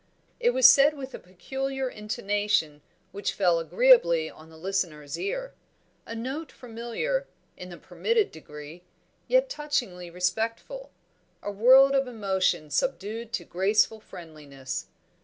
It was said with a peculiar intonation, which fell agreeably on the listener's ear; a note familiar, in the permitted degree, yet touchingly respectful; a world of emotion subdued to graceful friendliness.